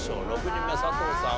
６人目佐藤さん